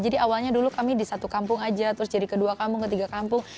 jadi awalnya dulu kami di satu kampung aja terus jadi kedua kampung ketiga kampung